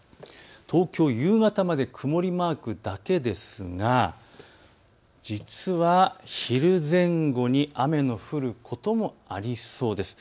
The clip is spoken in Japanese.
夕方まで曇りマークだけですが実は昼前後に雨の降ることもありそうなんです。